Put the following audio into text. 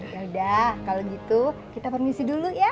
yaudah kalau gitu kita permisi dulu ya